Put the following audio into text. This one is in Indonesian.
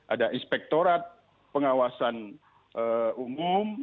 ada inspektorat pengawasan umum